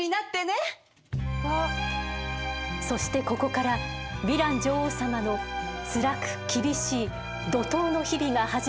そしてここからヴィラン女王様のつらく厳しい怒とうの日々が始まるのでございます。